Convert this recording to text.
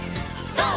ＧＯ！